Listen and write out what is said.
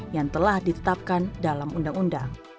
yang telah ditetapkan dalam undang undang